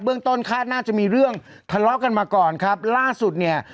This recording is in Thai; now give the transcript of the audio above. เรื่องต้นคาดน่าจะมีเรื่องทะเลาะกันมาก่อนครับล่าสุดเนี่ย